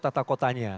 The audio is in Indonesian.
untuk tata kotanya